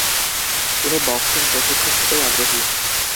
তিনি বক্সিং প্রশিক্ষক হতেও আগ্রহী।